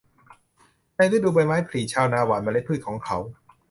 ในฤดูใบไม้ผลิ ชาวนาหว่านเมล็ดพืชของเขา